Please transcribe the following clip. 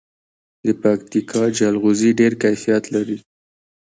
د پکتیکا جلغوزي ډیر کیفیت لري.